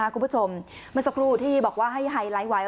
คุณผู้ชมเมื่อสักครู่ที่บอกว่าให้ไฮไลท์ไว้